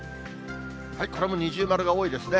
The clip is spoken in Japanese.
これも二重丸が多いですね。